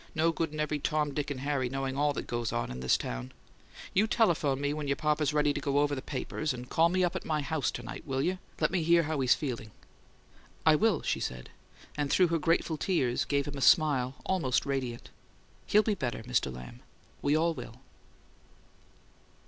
"No good in every Tom, Dick and Harry knowing all what goes on in town! You telephone me when your papa's ready to go over the papers and call me up at my house to night, will you? Let me hear how he's feeling?" "I will," she said, and through her grateful tears gave him a smile almost radiant. "He'll be better, Mr. Lamb. We all will."